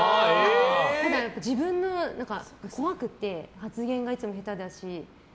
ただ、自分のは怖くて発言がいつも下手なので。